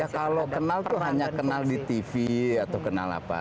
ya kalau kenal itu hanya kenal di tv atau kenal apa